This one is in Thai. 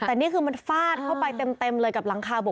แต่นี่คือมันฟาดเข้าไปเต็มเลยกับหลังคาโบก